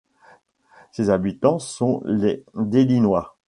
Ses habitants sont les Delinois.